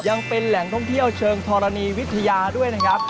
ยังเป็นแหล่งท่องเที่ยวเชิงธรณีวิทยาด้วยนะครับ